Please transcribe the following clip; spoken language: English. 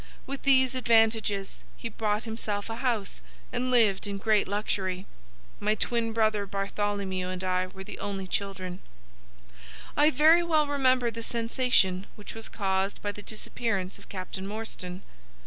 With these advantages he bought himself a house, and lived in great luxury. My twin brother Bartholomew and I were the only children. "I very well remember the sensation which was caused by the disappearance of Captain Morstan.